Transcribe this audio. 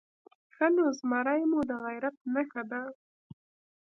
_ښه نو، زمری مو د غيرت نښه ده؟